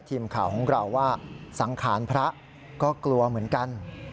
ทีมข่าวของเราว่าสังขารพระก็กลัวเหมือนกัน